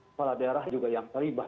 kepala daerah juga yang terlibat